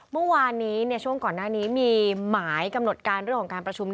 เมื่อวานนี้ช่วงก่อนหน้านี้มีหมายกำหนดการเรื่องของการประชุม